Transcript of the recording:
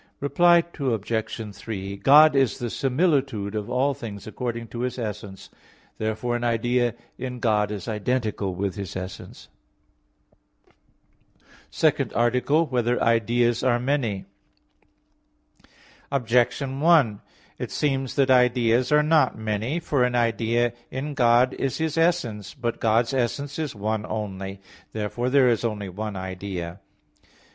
Reply Obj. 3: God is the similitude of all things according to His essence; therefore an idea in God is identical with His essence. _______________________ SECOND ARTICLE [I, Q. 15, Art. 2] Whether Ideas Are Many? Objection 1: It seems that ideas are not many. For an idea in God is His essence. But God's essence is one only. Therefore there is only one idea.